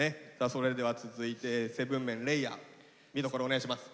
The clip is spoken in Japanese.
それでは続いて７ＭＥＮ嶺亜見どころお願いします。